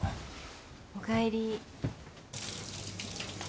おかえり。